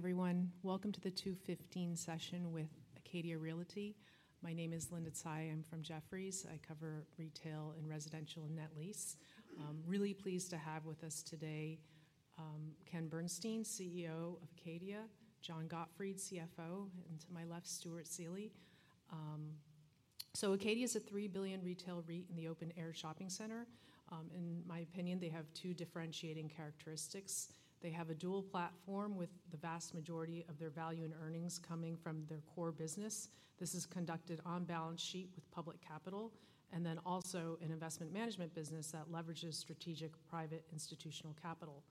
Hi, everyone. Welcome to the 2:15 session with Acadia Realty. My name is Linda Tsai. I'm from Jefferies. I cover retail and residential, and net lease. Really pleased to have with us today, Ken Bernstein, CEO of Acadia, John Gottfried, CFO, and to my left, Stuart Seeley. So Acadia is a $3 billion retail REIT in the open-air shopping center. In my opinion, they have two differentiating characteristics: They have a dual platform with the vast majority of their value and earnings coming from their core business. This is conducted on balance sheet with public capital, and then also an investment management business that leverages strategic, private, institutional capital.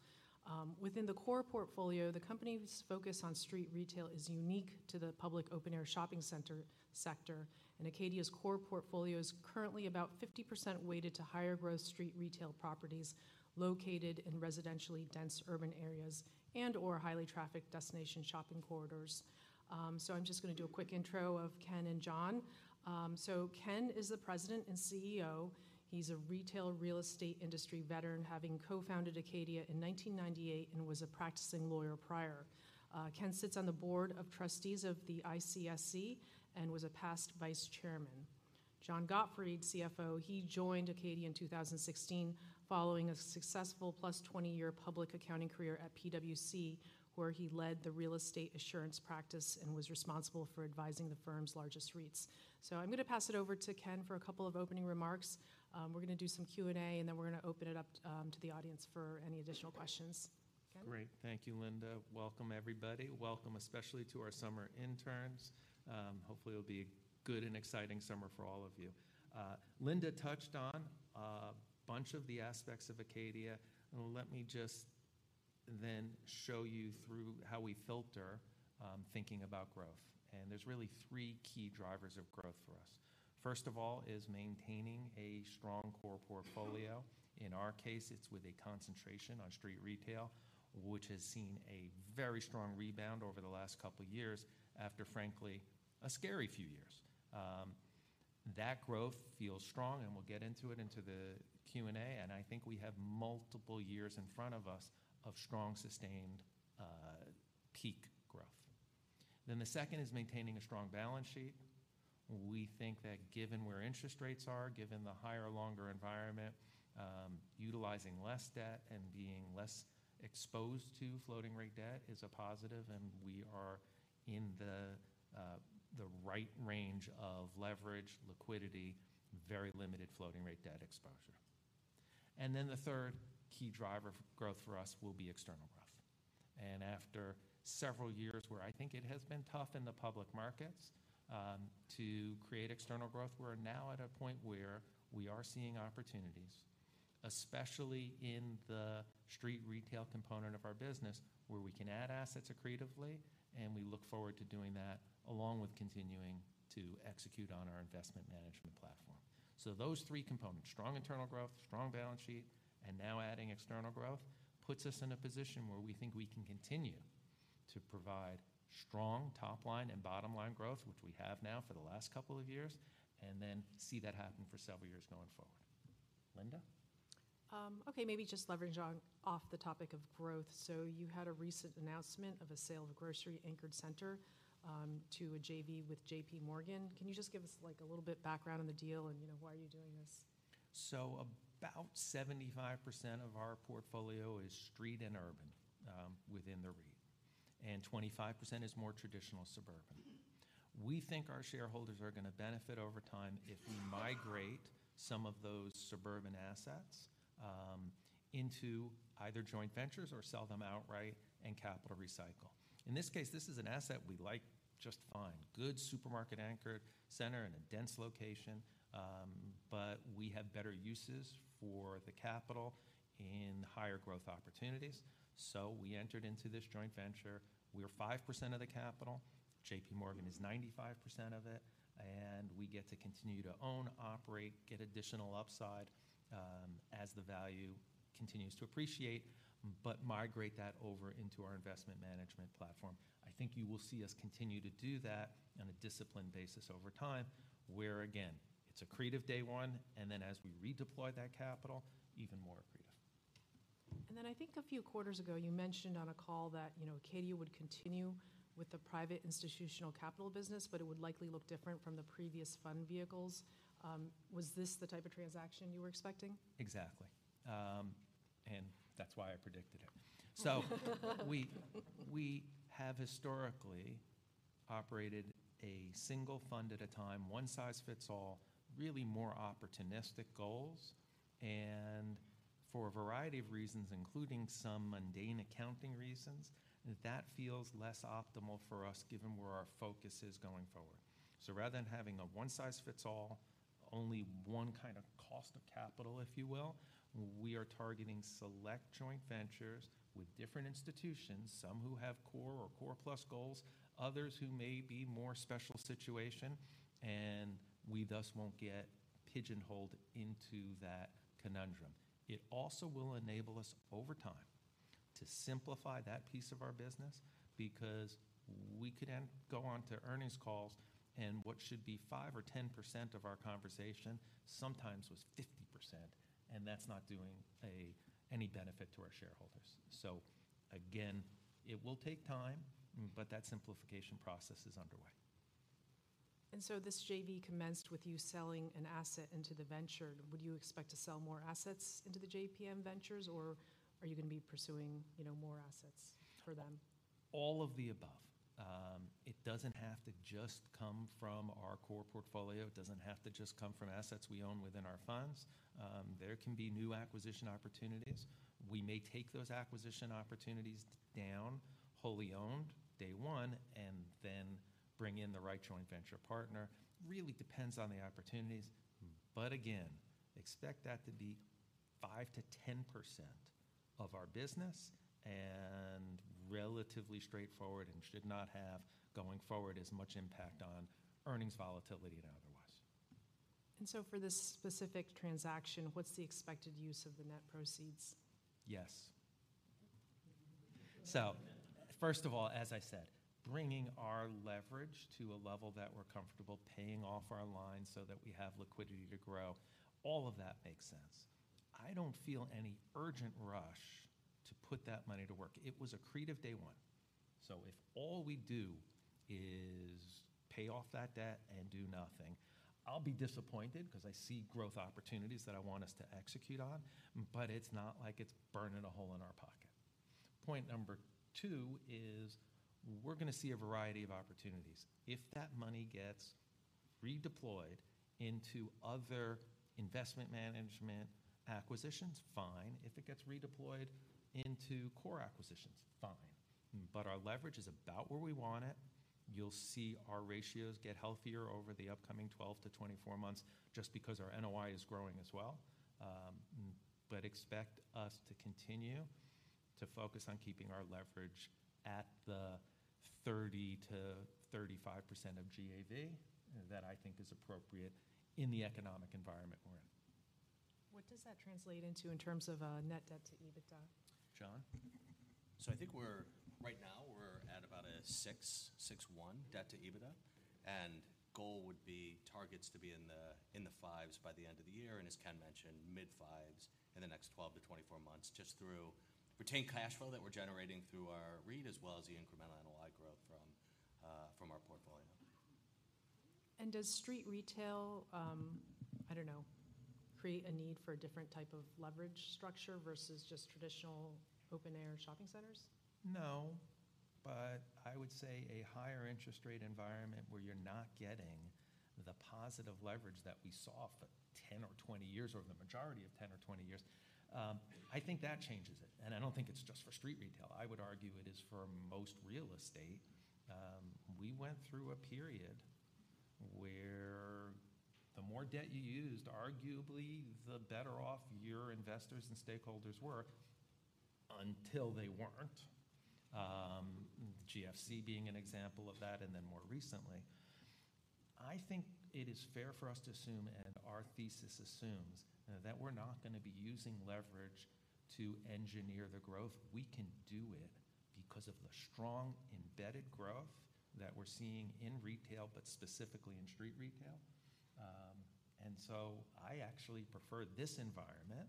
Within the core portfolio, the company's focus on street retail is unique to the public open-air shopping center sector, and Acadia's core portfolio is currently about 50% weighted to higher growth street retail properties located in residentially dense urban areas and/or highly trafficked destination shopping corridors. I'm just gonna do a quick intro of Ken and John. Ken is the President and CEO. He's a retail real estate industry veteran, having co-founded Acadia in 1998, and was a practicing lawyer prior. Ken sits on the board of trustees of the ICSC, and was a past vice chairman. John Gottfried, CFO, he joined Acadia in 2016, following a successful plus-20-year public accounting career at PwC, where he led the real estate assurance practice and was responsible for advising the firm's largest REITs. So I'm gonna pass it over to Ken for a couple of opening remarks. We're gonna do some Q&A, and then we're gonna open it up to the audience for any additional questions. Ken? Great. Thank you, Linda. Welcome, everybody. Welcome, especially to our summer interns. Hopefully, it'll be a good and exciting summer for all of you. Linda touched on a bunch of the aspects of Acadia, and let me just then show you through how we filter thinking about growth, and there's really three key drivers of growth for us. First of all, is maintaining a strong core portfolio. In our case, it's with a concentration on street retail, which has seen a very strong rebound over the last couple years after, frankly, a scary few years. That growth feels strong, and we'll get into it into the Q&A, and I think we have multiple years in front of us of strong, sustained, peak growth. Then the second is maintaining a strong balance sheet. We think that given where interest rates are, given the higher, longer environment, utilizing less debt and being less exposed to floating rate debt is a positive, and we are in the right range of leverage, liquidity, very limited floating rate debt exposure. And then the third key driver of growth for us will be external growth, and after several years where I think it has been tough in the public markets to create external growth, we're now at a point where we are seeing opportunities, especially in the street retail component of our business, where we can add assets accretively, and we look forward to doing that, along with continuing to execute on our investment management platform. So those three components, strong internal growth, strong balance sheet, and now adding external growth, puts us in a position where we think we can continue to provide strong top line and bottom line growth, which we have now for the last couple of years, and then see that happen for several years going forward. Linda? Okay, maybe just leveraging off the topic of growth. So you had a recent announcement of a sale of a grocery-anchored center to a JV with J.P. Morgan. Can you just give us, like, a little bit background on the deal and, you know, why are you doing this? So about 75% of our portfolio is street and urban, within the REIT, and 25% is more traditional suburban. We think our shareholders are gonna benefit over time if we migrate some of those suburban assets, into either joint ventures or sell them outright and capital recycle. In this case, this is an asset we like just fine, good supermarket-anchored center in a dense location, but we have better uses for the capital in higher growth opportunities. So we entered into this joint venture. We're 5% of the capital, J.P. Morgan is 95% of it, and we get to continue to own, operate, get additional upside, as the value continues to appreciate, but migrate that over into our investment management platform. I think you will see us continue to do that on a disciplined basis over time, where, again, it's accretive day one, and then as we redeploy that capital, even more accretive. And then I think a few quarters ago, you mentioned on a call that, you know, Acadia would continue with the private institutional capital business, but it would likely look different from the previous fund vehicles. Was this the type of transaction you were expecting? Exactly. And that's why I predicted it. So we have historically operated a single fund at a time, one size fits all, really more opportunistic goals, and for a variety of reasons, including some mundane accounting reasons, that feels less optimal for us, given where our focus is going forward. So rather than having a one size fits all, only one kind of cost of capital, if you will, we are targeting select joint ventures with different institutions, some who have Core or Core Plus goals, others who may be more special situation, and we thus won't get pigeonholed into that conundrum. It also will enable us, over time, to simplify that piece of our business, because-... We could then go on to earnings calls, and what should be 5% or 10% of our conversation sometimes was 50%, and that's not doing any benefit to our shareholders. So again, it will take time, but that simplification process is underway. So this JV commenced with you selling an asset into the venture. Would you expect to sell more assets into the JPM ventures, or are you gonna be pursuing, you know, more assets for them? All of the above. It doesn't have to just come from our core portfolio. It doesn't have to just come from assets we own within our funds. There can be new acquisition opportunities. We may take those acquisition opportunities down, wholly owned, day one, and then bring in the right joint venture partner. Really depends on the opportunities, but again, expect that to be 5%-10% of our business and relatively straightforward, and should not have, going forward, as much impact on earnings volatility and otherwise. For this specific transaction, what's the expected use of the net proceeds? Yes. So first of all, as I said, bringing our leverage to a level that we're comfortable, paying off our lines so that we have liquidity to grow, all of that makes sense. I don't feel any urgent rush to put that money to work. It was accretive day one. So if all we do is pay off that debt and do nothing, I'll be disappointed, 'cause I see growth opportunities that I want us to execute on, but it's not like it's burning a hole in our pocket. Point number two is, we're gonna see a variety of opportunities. If that money gets redeployed into other investment management acquisitions, fine. If it gets redeployed into core acquisitions, fine. But our leverage is about where we want it. You'll see our ratios get healthier over the upcoming 12-24 months, just because our NOI is growing as well. But expect us to continue to focus on keeping our leverage at the 30%-35% of GAV, that I think is appropriate in the economic environment we're in. What does that translate into in terms of, net debt to EBITDA? John? I think we're right now at about a 6.61 debt to EBITDA, and goal would be targets to be in the fives by the end of the year, and as Ken mentioned, mid-fives in the next 12-24 months, just through retained cash flow that we're generating through our REIT, as well as the incremental NOI growth from our portfolio. Does street retail, I don't know, create a need for a different type of leverage structure versus just traditional open-air shopping centers? No, but I would say a higher interest rate environment, where you're not getting the positive leverage that we saw for 10 or 20 years, or the majority of 10 or 20 years, I think that changes it, and I don't think it's just for street retail. I would argue it is for most real estate. We went through a period where the more debt you used, arguably, the better off your investors and stakeholders were, until they weren't. GFC being an example of that, and then more recently. I think it is fair for us to assume, and our thesis assumes, that we're not gonna be using leverage to engineer the growth. We can do it because of the strong embedded growth that we're seeing in retail, but specifically in street retail. And so I actually prefer this environment.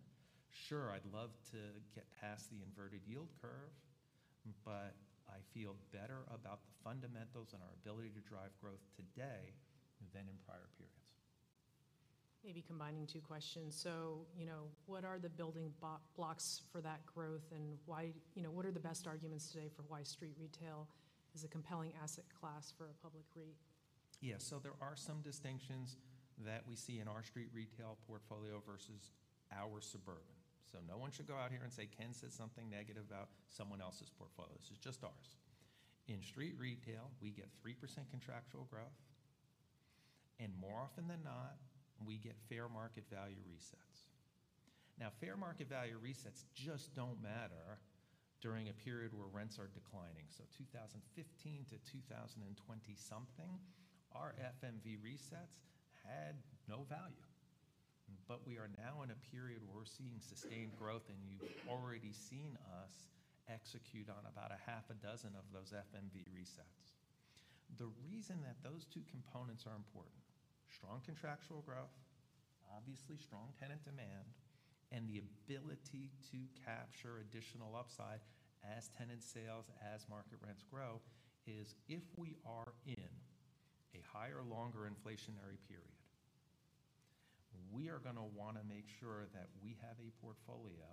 Sure, I'd love to get past the inverted yield curve, but I feel better about the fundamentals and our ability to drive growth today than in prior periods. Maybe combining two questions: so, you know, what are the building blocks for that growth, and why... You know, what are the best arguments today for why street retail is a compelling asset class for a public REIT? Yeah, so there are some distinctions that we see in our street retail portfolio versus our suburban. So no one should go out here and say, "Ken said something negative about someone else's portfolio." This is just ours. In street retail, we get 3% contractual growth, and more often than not, we get fair market value resets. Now, fair market value resets just don't matter during a period where rents are declining. So 2015 to 2020-something, our FMV resets had no value. But we are now in a period where we're seeing sustained growth, and you've already seen us execute on about a half a dozen of those FMV resets. The reason that those two components are important, strong contractual growth, obviously strong tenant demand, and the ability to capture additional upside as tenant sales, as market rents grow, is if we are in a higher, longer inflationary period, we are gonna wanna make sure that we have a portfolio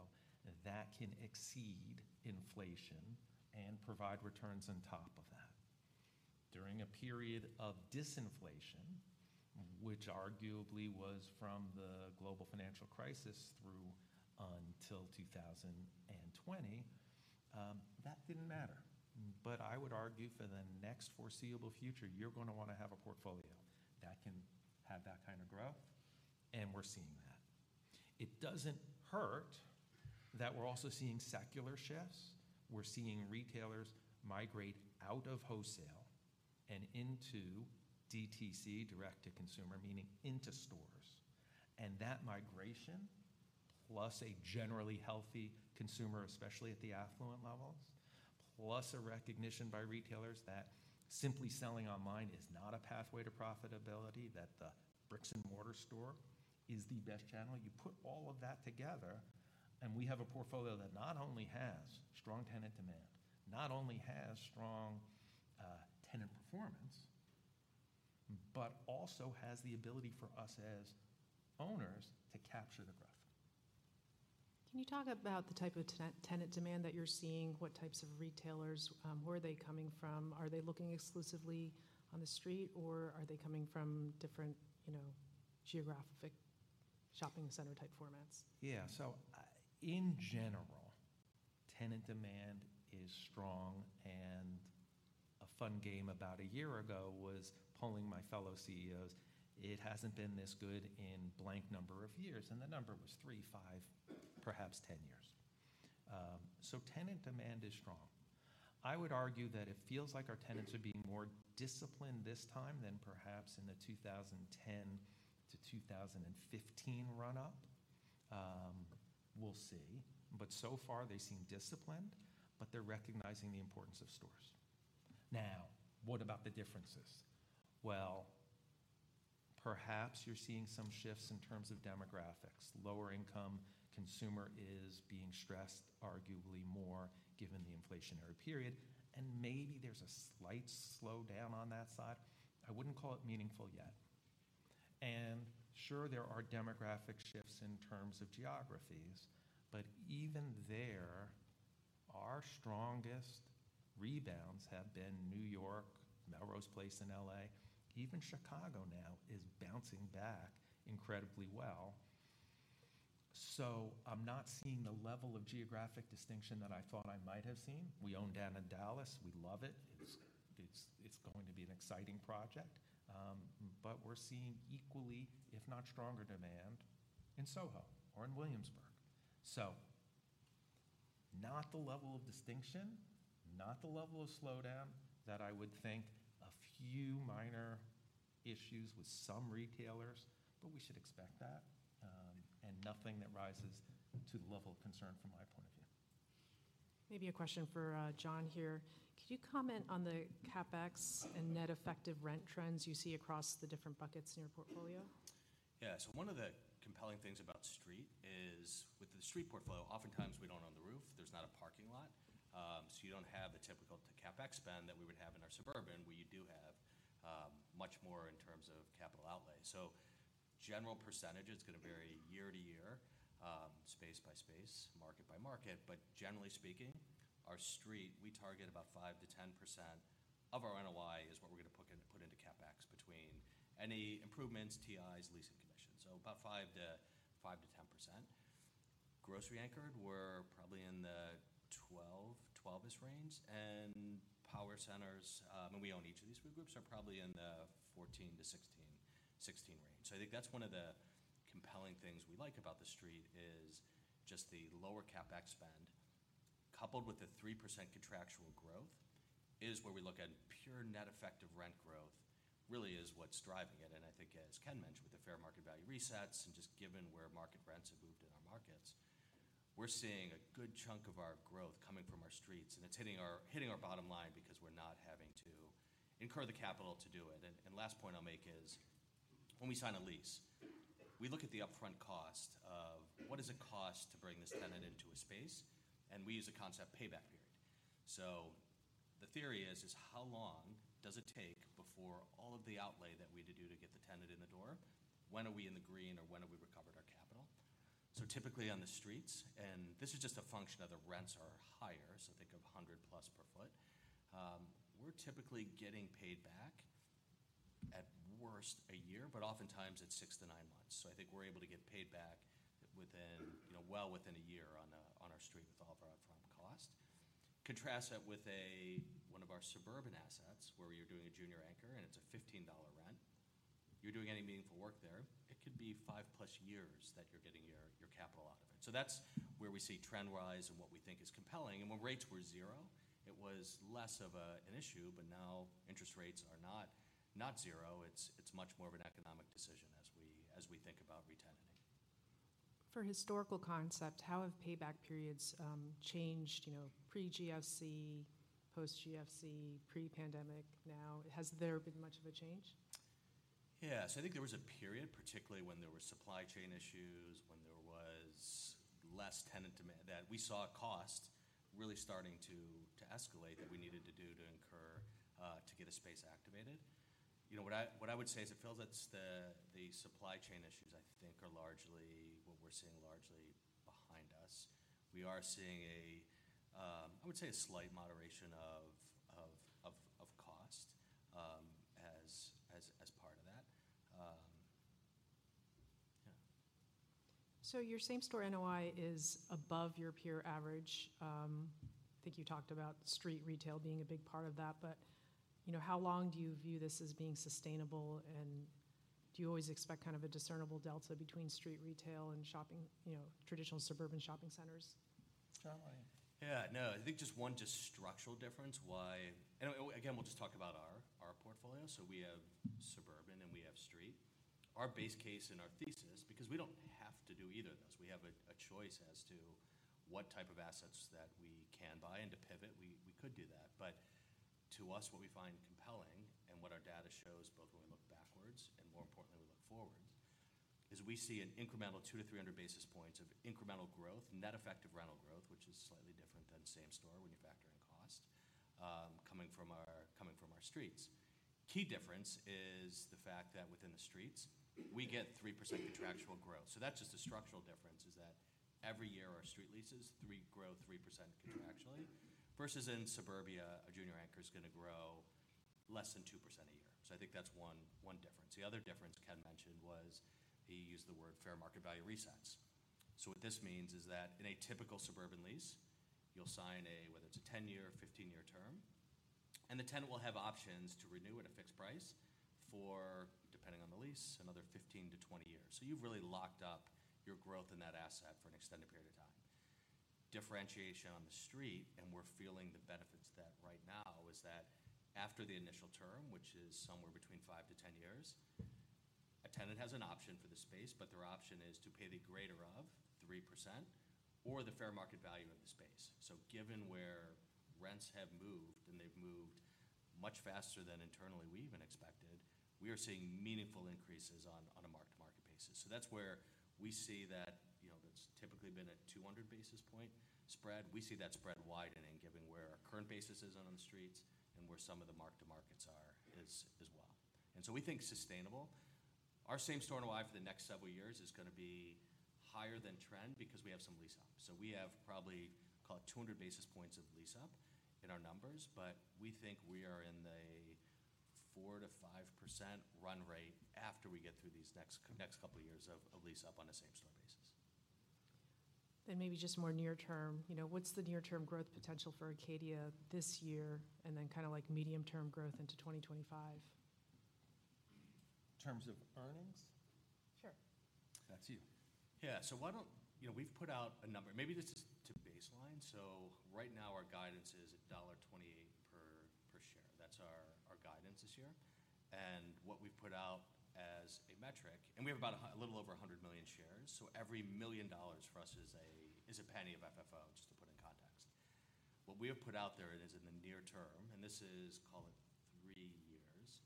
that can exceed inflation and provide returns on top of that. During a period of disinflation, which arguably was from the global financial crisis through until 2020, that didn't matter. But I would argue for the next foreseeable future, you're gonna wanna have a portfolio that can have that kind of growth, and we're seeing that. It doesn't hurt that we're also seeing secular shifts. We're seeing retailers migrate out of wholesale and into DTC, direct to consumer, meaning into stores, and that migration-... plus a generally healthy consumer, especially at the affluent levels, plus a recognition by retailers that simply selling online is not a pathway to profitability, that the bricks-and-mortar store is the best channel. You put all of that together, and we have a portfolio that not only has strong tenant demand, not only has strong tenant performance, but also has the ability for us as owners to capture the growth. Can you talk about the type of tenant demand that you're seeing? What types of retailers, where are they coming from? Are they looking exclusively on the street, or are they coming from different, you know, geographic shopping center type formats? Yeah. So, in general, tenant demand is strong, and a fun game about a year ago was polling my fellow CEOs, "It hasn't been this good in blank number of years," and the number was 3, 5, perhaps 10 years. So tenant demand is strong. I would argue that it feels like our tenants are being more disciplined this time than perhaps in the 2010 to 2015 run-up. We'll see, but so far, they seem disciplined, but they're recognizing the importance of stores. Now, what about the differences? Well, perhaps you're seeing some shifts in terms of demographics. Lower-income consumer is being stressed, arguably more, given the inflationary period, and maybe there's a slight slowdown on that side. I wouldn't call it meaningful yet. Sure, there are demographic shifts in terms of geographies, but even there, our strongest rebounds have been New York, Melrose Place in L.A., even Chicago now is bouncing back incredibly well. So I'm not seeing the level of geographic distinction that I thought I might have seen. We own down in Dallas. We love it. It's going to be an exciting project, but we're seeing equally, if not stronger, demand in SoHo or in Williamsburg. So not the level of distinction, not the level of slowdown that I would think. A few minor issues with some retailers, but we should expect that, and nothing that rises to the level of concern from my point of view. Maybe a question for, John here: Could you comment on the CapEx and net effective rent trends you see across the different buckets in your portfolio? Yeah. So one of the compelling things about street is, with the street portfolio, oftentimes we don't own the roof. There's not a parking lot, so you don't have the typical CapEx spend that we would have in our suburban, where you do have much more in terms of capital outlay. So general percentage, it's gonna vary year to year, space by space, market by market, but generally speaking, our street, we target about 5%-10% of our NOI is what we're gonna put into CapEx between any improvements, TIs, leasing commission, so about 5%-10%. Grocery-anchored, we're probably in the 12% range, and power centers, and we own each of these three groups, are probably in the 14%-16% range. So I think that's one of the compelling things we like about the street is just the lower CapEx spend, coupled with the 3% contractual growth, is where we look at pure net effective rent growth, really is what's driving it. And I think, as Ken mentioned, with the fair market value resets and just given where market rents have moved in our markets, we're seeing a good chunk of our growth coming from our streets, and it's hitting our bottom line because we're not having to incur the capital to do it. And last point I'll make is, when we sign a lease, we look at the upfront cost of what does it cost to bring this tenant into a space, and we use a concept payback period. So the theory is, is how long does it take before all of the outlay that we had to do to get the tenant in the door, when are we in the green, or when have we recovered our capital? So typically, on the streets, and this is just a function of the rents are higher, so think of $100+ per foot, we're typically getting paid back, at worst, a year, but oftentimes it's 6-9 months. So I think we're able to get paid back within, you know, well within a year on, on our street with all of our upfront cost. Contrast that with a one of our suburban assets, where you're doing a junior anchor, and it's a $15 rent. If you're doing any meaningful work there, it could be 5+ years that you're getting your, your capital out of it. So that's where we see trend-wise and what we think is compelling, and when rates were zero, it was less of an issue, but now interest rates are not zero. It's much more of an economic decision as we think about re-tenanting. For historical context, how have payback periods changed, you know, pre-GFC, post-GFC, pre-pandemic, now? Has there been much of a change? Yeah. So I think there was a period, particularly when there were supply chain issues, when there was less tenant demand, that we saw cost really starting to escalate, that we needed to do to incur to get a space activated. You know, what I would say is it feels it's the supply chain issues I think are largely what we're seeing, largely behind us. We are seeing a slight moderation of cost as part of that. Yeah. So your same-store NOI is above your peer average. I think you talked about street retail being a big part of that, but, you know, how long do you view this as being sustainable, and do you always expect kind of a discernible delta between street retail and shopping, you know, traditional suburban shopping centers?... Oh, yeah, no, I think just one structural difference why. And again, we'll just talk about our portfolio. So we have suburban, and we have street. Our base case and our thesis, because we don't have to do either of those, we have a choice as to what type of assets that we can buy and to pivot, we could do that. But to us, what we find compelling and what our data shows, both when we look backwards and more importantly, we look forwards, is we see an incremental 200-300 basis points of incremental growth, net effective rental growth, which is slightly different than same store when you factor in cost, coming from our streets. Key difference is the fact that within the streets, we get 3% contractual growth. So that's just a structural difference, is that every year, our street leases grow 3% contractually, versus in suburbia, a junior anchor is going to grow less than 2% a year. So I think that's one difference. The other difference Ken mentioned was he used the word fair market value resets. So what this means is that in a typical suburban lease, you'll sign a whether it's a 10-year or 15-year term, and the tenant will have options to renew at a fixed price for, depending on the lease, another 15-20 years. So you've really locked up your growth in that asset for an extended period of time. Differentiation on the street, and we're feeling the benefits of that right now, is that after the initial term, which is somewhere between 5-10 years, a tenant has an option for the space, but their option is to pay the greater of 3% or the fair market value of the space. So given where rents have moved, and they've moved much faster than internally we even expected, we are seeing meaningful increases on, on a mark-to-market basis. So that's where we see that, you know, that's typically been a 200 basis point spread. We see that spread widening, given where our current basis is on the streets and where some of the mark-to-markets are as, as well. And so we think sustainable. Our same-store NOI for the next several years is gonna be higher than trend because we have some lease up. So we have probably, call it, 200 basis points of lease up in our numbers, but we think we are in a 4%-5% run rate after we get through these next couple of years of lease up on a same-store basis. Maybe just more near-term, you know, what's the near-term growth potential for Acadia this year, and then kind of like medium-term growth into 2025? In terms of earnings? Sure. That's you. Yeah. So why don't you know, we've put out a number, maybe just to baseline. So right now, our guidance is $1.28 per share. That's our guidance this year. And what we've put out as a metric, and we have about a little over 100 million shares, so every $1 million for us is $0.01 of FFO, just to put in context. What we have put out there is in the near term, and this is, call it, 3 years,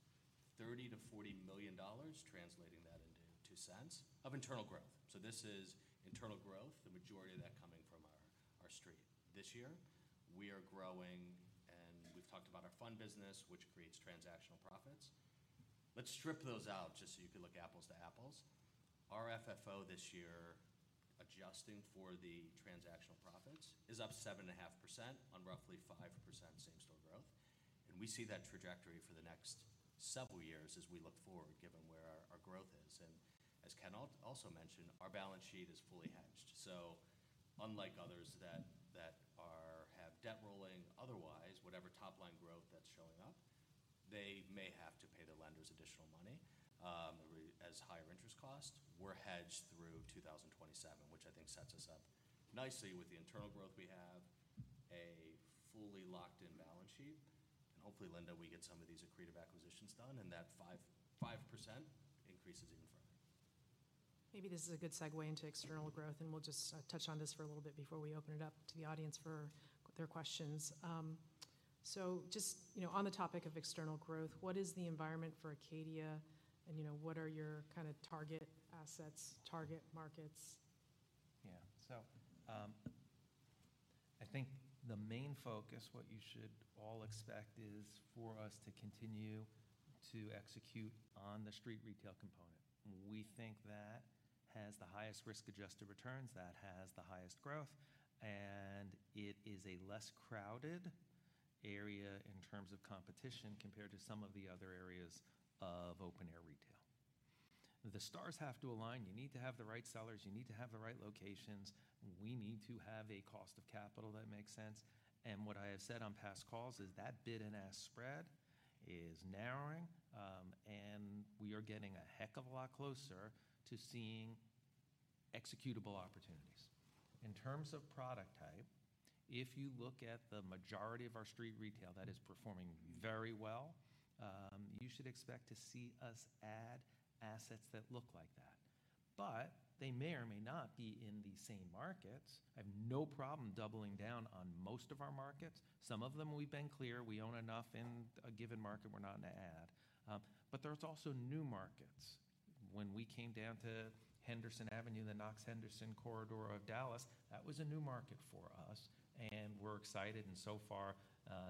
$30 million-$40 million, translating that into $0.02 of internal growth. So this is internal growth, the majority of that coming from our street. This year, we are growing, and we've talked about our fund business, which creates transactional profits. Let's strip those out just so you can look apples to apples. Our FFO this year, adjusting for the transactional profits, is up 7.5% on roughly 5% same-store growth, and we see that trajectory for the next several years as we look forward, given where our growth is. As Ken also mentioned, our balance sheet is fully hedged. Unlike others that have debt rolling, otherwise, whatever top-line growth that's showing up, they may have to pay their lenders additional money as higher interest costs. We're hedged through 2027, which I think sets us up nicely with the internal growth we have, a fully locked-in balance sheet, and hopefully, Linda, we get some of these accretive acquisitions done, and that 5.5% increases even further. Maybe this is a good segue into external growth, and we'll just touch on this for a little bit before we open it up to the audience for their questions. So just, you know, on the topic of external growth, what is the environment for Acadia, and, you know, what are your kind of target assets, target markets? Yeah. So, I think the main focus, what you should all expect, is for us to continue to execute on the street retail component. We think that has the highest risk-adjusted returns, that has the highest growth, and it is a less crowded area in terms of competition, compared to some of the other areas of open-air retail. The stars have to align. You need to have the right sellers. You need to have the right locations. We need to have a cost of capital that makes sense. And what I have said on past calls is that bid-and-ask spread is narrowing, and we are getting a heck of a lot closer to seeing executable opportunities. In terms of product type, if you look at the majority of our street retail, that is performing very well, you should expect to see us add assets that look like that, but they may or may not be in the same markets. I have no problem doubling down on most of our markets. Some of them, we've been clear, we own enough in a given market, we're not in the add. But there's also new markets. When we came down to Henderson Avenue, the Knox-Henderson corridor of Dallas, that was a new market for us, and we're excited, and so far,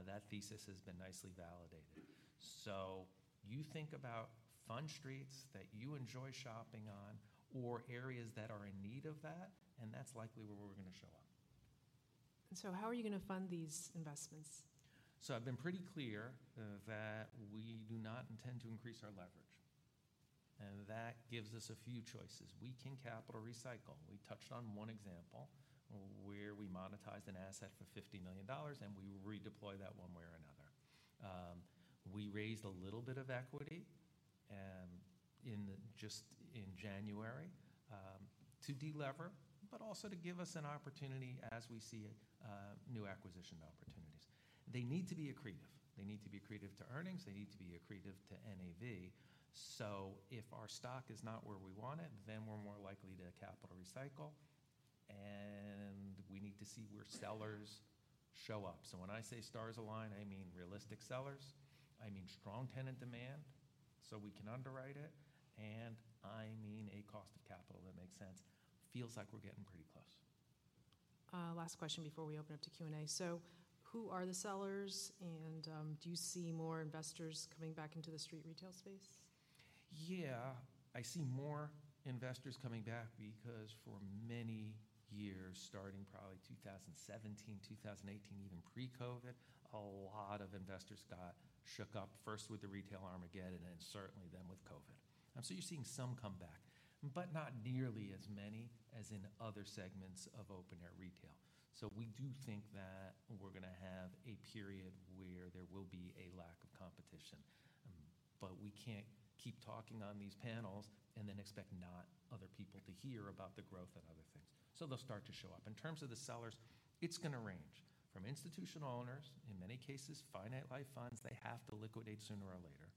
that thesis has been nicely validated. So you think about fun streets that you enjoy shopping on or areas that are in need of that, and that's likely where we're gonna show up. How are you gonna fund these investments? I've been pretty clear that we do not intend to increase our leverage, and that gives us a few choices. We can capital recycle. We touched on one example where we monetized an asset for $50 million, and we redeployed that one way or another. We raised a little bit of equity just in January to de-lever, but also to give us an opportunity as we see new acquisition opportunities. They need to be accretive. They need to be accretive to earnings, they need to be accretive to NAV. So if our stock is not where we want it, then we're more likely to capital recycle, and we need to see where sellers show up. So when I say stars align, I mean realistic sellers, I mean strong tenant demand, so we can underwrite it, and I mean a cost of capital that makes sense. Feels like we're getting pretty close. Last question before we open up to Q&A. So who are the sellers, and, do you see more investors coming back into the street retail space? Yeah, I see more investors coming back because for many years, starting probably 2017, 2018, even pre-COVID, a lot of investors got shook up, first with the retail Armageddon, and certainly then with COVID. So you're seeing some come back, but not nearly as many as in other segments of open-air retail. So we do think that we're gonna have a period where there will be a lack of competition, but we can't keep talking on these panels and then expect not other people to hear about the growth and other things. So they'll start to show up. In terms of the sellers, it's gonna range from institutional owners, in many cases, finite life funds, they have to liquidate sooner or later.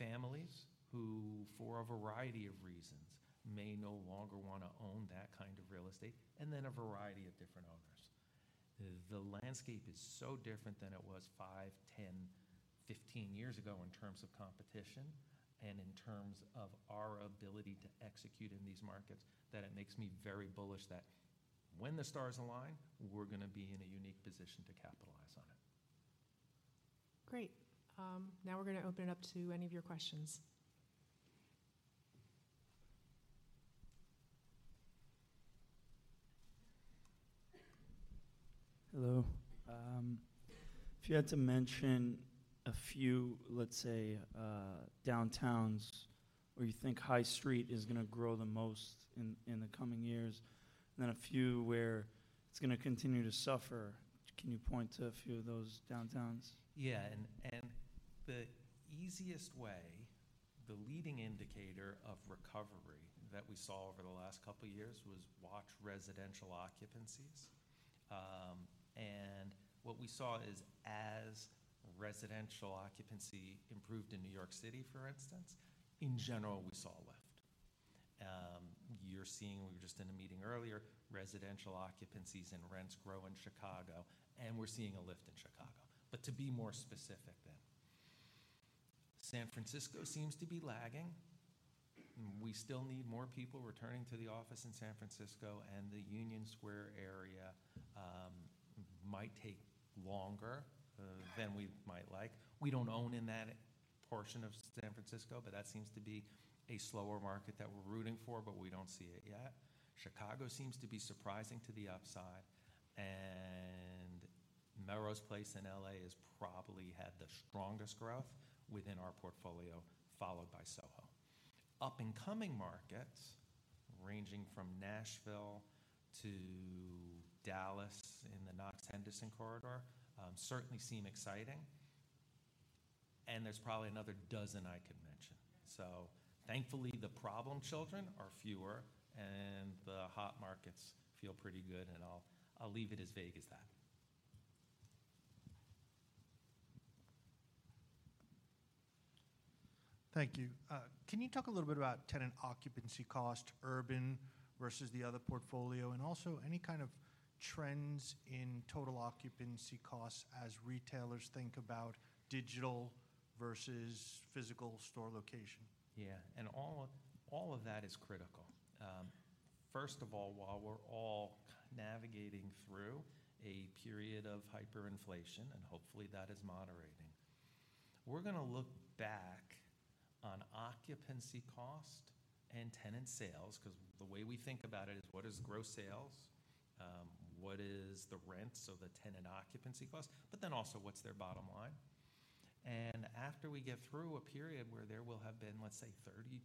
Families, who, for a variety of reasons, may no longer wanna own that kind of real estate, and then a variety of different owners. The landscape is so different than it was 5, 10, 15 years ago in terms of competition and in terms of our ability to execute in these markets, that it makes me very bullish that when the stars align, we're gonna be in a unique position to capitalize on it. Great. Now we're gonna open it up to any of your questions. Hello. If you had to mention a few, let's say, downtowns where you think high street is gonna grow the most in, in the coming years, and then a few where it's gonna continue to suffer, can you point to a few of those downtowns? Yeah, and the easiest way, the leading indicator of recovery that we saw over the last couple of years was watch residential occupancies. And what we saw is, as residential occupancy improved in New York City, for instance, in general, we saw a lift. You're seeing. We were just in a meeting earlier, residential occupancies and rents grow in Chicago, and we're seeing a lift in Chicago. But to be more specific, then, San Francisco seems to be lagging. We still need more people returning to the office in San Francisco, and the Union Square area might take longer than we might like. We don't own in that portion of San Francisco, but that seems to be a slower market that we're rooting for, but we don't see it yet. Chicago seems to be surprising to the upside, and Melrose Place in L.A. has probably had the strongest growth within our portfolio, followed by Soho. Up-and-coming markets, ranging from Nashville to Dallas in the Knox-Henderson corridor, certainly seem exciting, and there's probably another dozen I could mention. So thankfully, the problem children are fewer, and the hot markets feel pretty good, and I'll, I'll leave it as vague as that. Thank you. Can you talk a little bit about tenant occupancy cost, urban versus the other portfolio, and also any kind of trends in total occupancy costs as retailers think about digital versus physical store location? Yeah, and all of that is critical. First of all, while we're all navigating through a period of hyperinflation, and hopefully that is moderating, we're gonna look back on occupancy cost and tenant sales, because the way we think about it is: What is gross sales? What is the rent, so the tenant occupancy cost, but then also, what's their bottom line? And after we get through a period where there will have been, let's say, 30%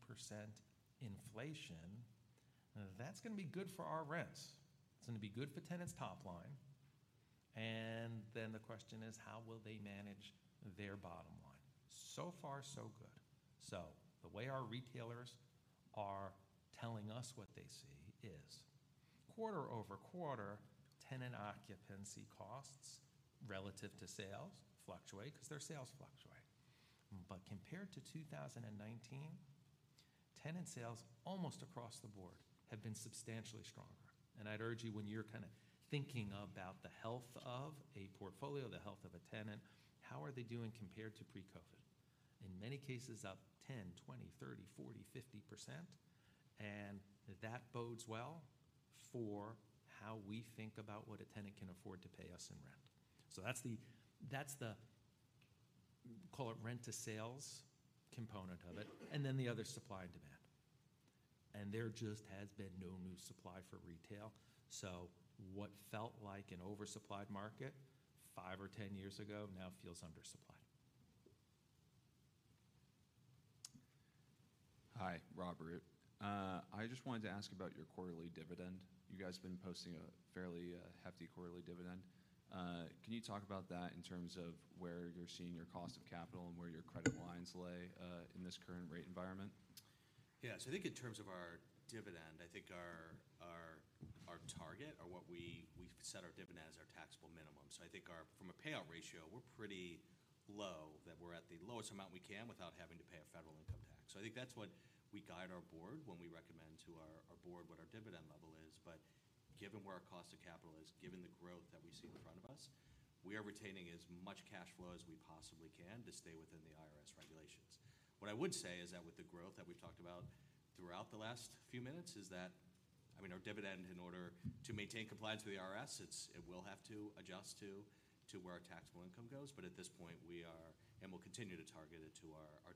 inflation, that's gonna be good for our rents. It's gonna be good for tenants' top line, and then the question is: How will they manage their bottom line? So far, so good. So the way our retailers are telling us what they see is, quarter-over-quarter, tenant occupancy costs relative to sales fluctuate because their sales fluctuate. But compared to 2019, tenant sales almost across the board have been substantially stronger. And I'd urge you, when you're kind of thinking about the health of a portfolio, the health of a tenant, how are they doing compared to pre-COVID? In many cases, up 10%, 20%, 30%, 40%, 50%, and that bodes well for how we think about what a tenant can afford to pay us in rent. So that's the, that's the... call it rent-to-sales component of it, and then the other, supply and demand. And there just has been no new supply for retail. So what felt like an oversupplied market 5 or 10 years ago now feels undersupplied. Hi, Robert. I just wanted to ask about your quarterly dividend. You guys have been posting a fairly hefty quarterly dividend. Can you talk about that in terms of where you're seeing your cost of capital and where your credit lines lay in this current rate environment? Yeah. So I think in terms of our dividend, I think our target or what we set our dividend as our taxable minimum. So I think our from a payout ratio, we're pretty low, that we're at the lowest amount we can without having to pay a federal income tax. So I think that's what we guide our board when we recommend to our board what our dividend level is. But given where our cost of capital is, given the growth that we see in front of us, we are retaining as much cash flow as we possibly can to stay within the IRS regulations. What I would say is that with the growth that we've talked about throughout the last few minutes, is that, I mean, our dividend, in order to maintain compliance with the IRS, it will have to adjust to where our taxable income goes, but at this point, we are, and we'll continue to target it to our, our taxable-